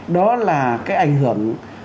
đó là cái ảnh hưởng